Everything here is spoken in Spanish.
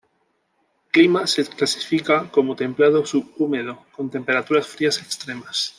Clima Se clasifica como templado subhúmedo, con temperaturas frías extremas.